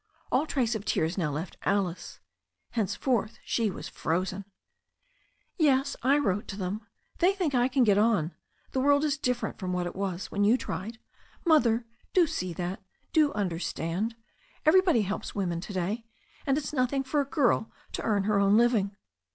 All trace of tears now left Alice. Henceforth she was frozen. Yes, I wrote to them. They think I can get on. The world is different from what it was when you tried. Mother, do see that. Do understand. Everybody helps women to day. And it's nothing for a girl to earn her own living."